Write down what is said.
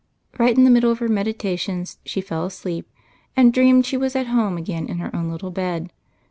Right in the middle of her meditations, she fell asleep and dreamed she was at home again in her own little bed.